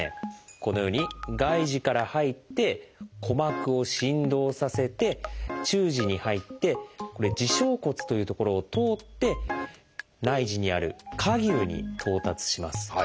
このように外耳から入って鼓膜を振動させて中耳に入って「耳小骨」という所を通って内耳にある「蝸牛」に到達します。